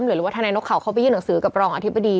หรือว่าทนายนกเขาเข้าไปยื่นหนังสือกับรองอธิบดี